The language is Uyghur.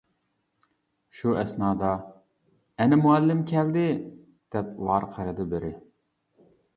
شۇ ئەسنادا:-ئەنە مۇئەللىم كەلدى-دەپ ۋارقىرىدى بىرى.